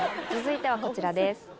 続いてはこちらです。